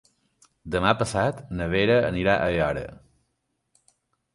Demà passat na Vera anirà a Aiora.